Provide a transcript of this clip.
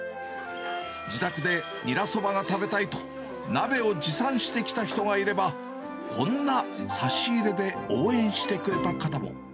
自宅でニラそばが食べたいと、鍋を持参してきた人がいれば、こんな差し入れで応援してくれた方も。